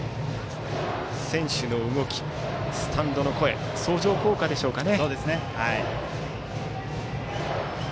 選手の動き、スタンドの声相乗効果でしょうかね。